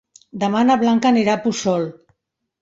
Demà na Blanca anirà a Puçol.